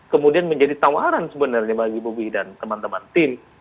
kemudian menjadi tawaran sebenarnya bagi bobi dan teman teman tim